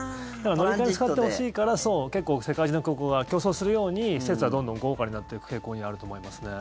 乗り換えに使ってほしいから世界中の空港が競争するように施設がどんどん豪華になっていく傾向にあると思いますね。